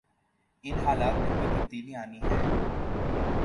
ان حالات میں کوئی تبدیلی آنی ہے۔